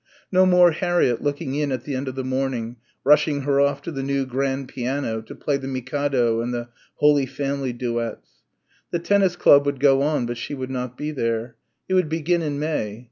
no more Harriett looking in at the end of the morning, rushing her off to the new grand piano to play the "Mikado" and the "Holy Family" duets. The tennis club would go on, but she would not be there. It would begin in May.